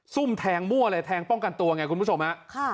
ซุ่มแทงมั่วเลยแทงป้องกันตัวไงคุณผู้ชมฮะ